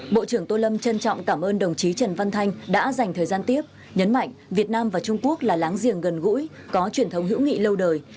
bộ trưởng tô lâm trân trọng cảm ơn đồng chí trần văn thanh đã dành thời gian tiếp nhấn mạnh việt nam và trung quốc là láng giềng gần gũi có truyền thống hữu nghị lâu đời